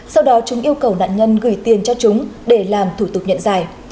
sau đó chúng yêu cầu nạn nhân gửi tiền cho chúng để làm thủ tục nhận giải